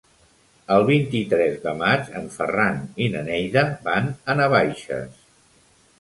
El vint-i-tres de maig en Ferran i na Neida van a Navaixes.